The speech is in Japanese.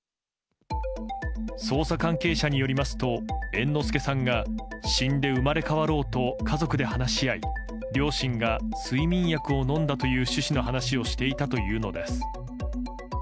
捜査関係者によりますと猿之助さんが死んで生まれ変わろうと家族で話し合い両親が睡眠薬を飲んだという趣旨の話をしていたというのです。